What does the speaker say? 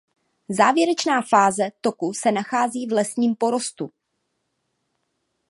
Závěrečná fáze toku se nachází v lesním porostu.